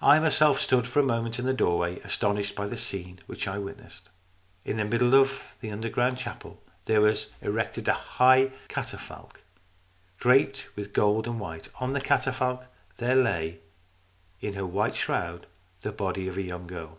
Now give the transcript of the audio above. I myself stood for a moment in the doorway, astonished by the scene which I witnessed. In the middle of this underground chapel there was erected a high catafalque, draped with gold and white. On the catafalque there lay in her white shroud the body of a young girl.